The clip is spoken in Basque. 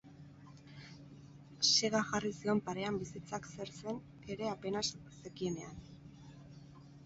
Sega jarri zion parean bizitzak zer zen ere apenas zekienean.